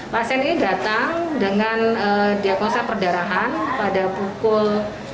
pasien ini datang dengan diakosa perdarahan pada pukul sebelas tiga puluh